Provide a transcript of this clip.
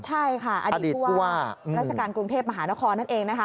ใช่ค่ะอดีตผู้ว่าราชการกรุงเทพมหานครนั่นเองนะคะ